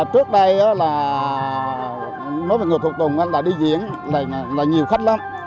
trước đây mỗi người thuộc tùng đi diễn là nhiều khách lắm